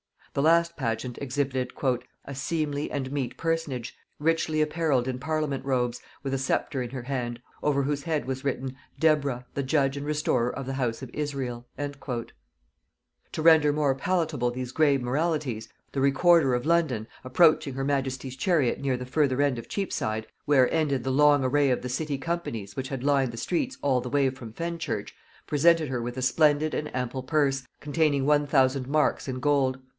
The last pageant exhibited "a seemly and mete personage, richly apparelled in parliament robes, with a sceptre in her hand, over whose head was written 'Deborah, the judge and restorer of the house of Israel.'" To render more palatable these grave moralities, the recorder of London, approaching her majesty's chariot near the further end of Cheapside, where ended the long array of the city companies, which had lined the streets all the way from Fenchurch, presented her with a splendid and ample purse, containing one thousand marks in gold.